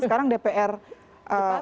sekarang dpr komit untuk membahas cepat